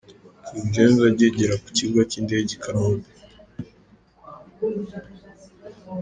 King James akigera ku kibuga cy'indege i Kanombe.